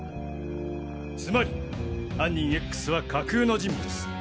つまり犯人Ｘは架空の人物。